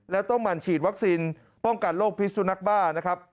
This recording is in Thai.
และต้องมาฉีดวัคซีนป้องกัดโรคพิสุนัขบ้านะครับ